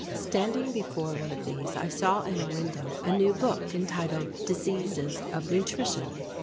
Standing before one of these I saw in a window a new book entitled "Diseases of Nutrition."